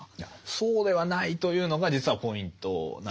そうではないというのが実はポイントなんですね。